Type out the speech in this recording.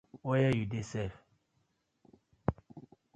Where yu dey sef?